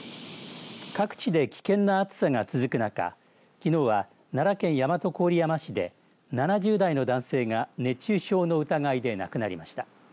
各地で危険な暑さが続く中きのうは奈良県大和郡山市で７０代の男性が熱中症の疑いで亡くなりました。